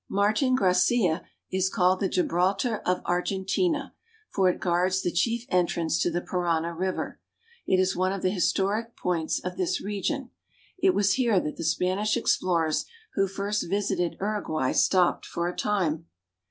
Martin Gracia is called the Gibraltar o of Argentina, for it guards the chief entrance to the Parana river. It is one of the historic points of this region. It was here that the Spanish explorers who first visited Uruguay stopped for a time.